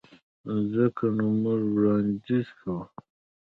ځکه نو موږ وړانديز کوو.